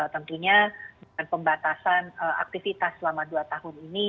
tentunya dengan pembatasan aktivitas selama dua tahun ini